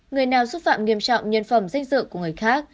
người nào xúc phạm nghiêm trọng nhân phẩm danh dự của người khác